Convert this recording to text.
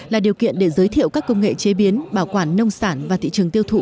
là điều kiện để giới thiệu các công nghệ chế biến bảo quản nông sản và thị trường tiêu thụ